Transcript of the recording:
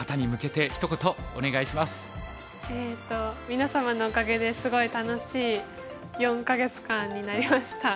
皆様のおかげですごい楽しい４か月間になりました。